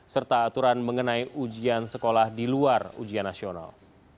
serta aturan mengenai ujian sekolah di luar ujian nasional